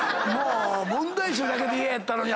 問題集だけで嫌やったのに。